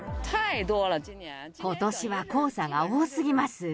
ことしは黄砂が多すぎます。